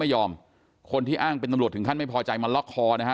คนที่อ้างเป็นตำรวจถึงขั้นไม่พอใจมาล็อกคอนะฮะ